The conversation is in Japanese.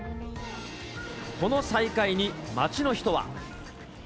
この再開に、街の人は。